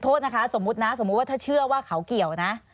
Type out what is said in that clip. โทษนะคะสมมุตินะสมมุติว่าถ้าเชื่อว่าเขาเกี่ยวนะ